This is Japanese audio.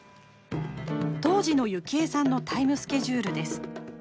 当時のゆきえさんのタイムスケジュールです。